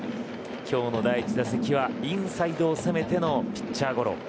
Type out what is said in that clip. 今日の第１打席はインサイドを攻めてのピッチャーゴロ。